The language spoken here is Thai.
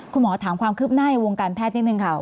คุณหมอถามความคืบหน้าในวงการแพทย์นิดนึงค่ะ